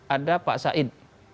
ada pak said